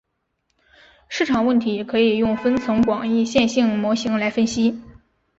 市场问题也可以用分层广义线性模型来分析。